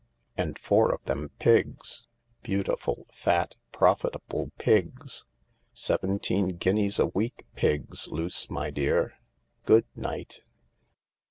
And four of them Pigs — beautiful, fat, profitable Pigs ! Seventeen guineas a week Pigs, Luce, my dear ! Good night